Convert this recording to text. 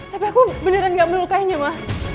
tapi aku beneran gak perlu kayaknya ma